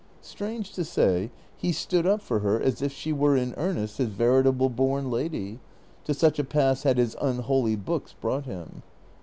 Strange to say, he stood up for her as if she were in earnest his veritable born lady ; to such a pass had his unholy books brought him.